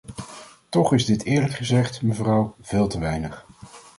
Toch is dit eerlijk gezegd, mevrouw, veel te weinig.